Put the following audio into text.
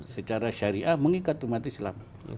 secara syariah mengikat umat islam